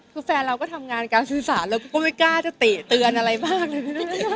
คือแฟนเราก็ทำงานการสื่อสารเราก็ไม่กล้าจะเตะเตือนอะไรมากเลย